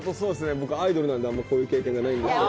僕、アイドルなんで、あんまりこういう経験がないんですけれど。